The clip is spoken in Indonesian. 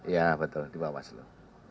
ya betul di bawah selu